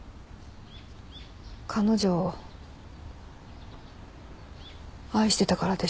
彼女を愛してたからでしょ。